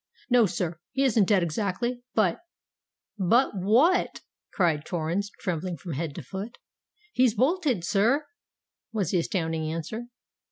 "No, sir—he isn't dead exactly—but——" "But what?" cried Torrens, trembling from head to foot. "He's bolted, sir!" was the astounding answer.